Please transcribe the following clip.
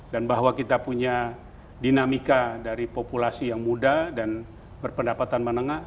dan bahwa kita punya dinamika dari populasi yang muda dan berpendapatan menengah